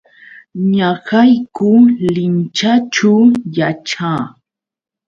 Ñaqayku Linchaćhu yaćhaa.